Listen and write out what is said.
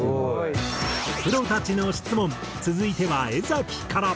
プロたちの質問続いては江から。